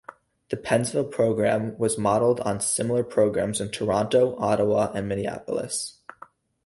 The Bensenville program was modeled on similar programs in Toronto, Ottawa and Minneapolis.